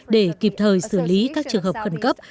để kịp thời xử lý các trường hợp khẩn cấp